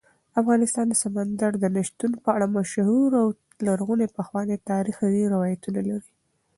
افغانستان د سمندر نه شتون په اړه مشهور او لرغوني پخواني تاریخی روایتونه لري.